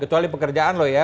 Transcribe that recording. kecuali pekerjaan loh ya